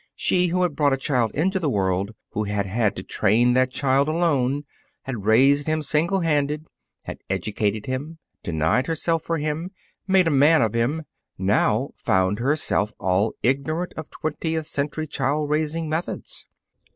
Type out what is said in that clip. She who had brought a child into the world, who had had to train that child alone, had raised him single handed, had educated him, denied herself for him, made a man of him, now found herself all ignorant of twentieth century child raising methods.